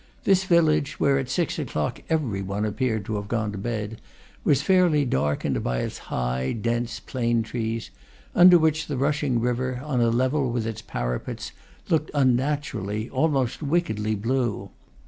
This village, where at six o'clock every one appeared to have gone to bed, was fairly darkened by its high, dense plane trees, under which the rushing river, on a level with its parapets, looked unnaturally, almost wickedly blue.